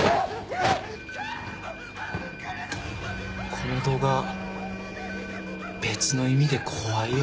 この動画別の意味で怖いよ。